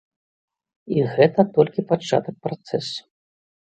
І гэта толькі пачатак працэсу.